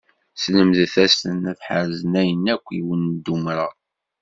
Slemdet-asen ad ḥerzen ayen akk i wen-d-umṛeɣ.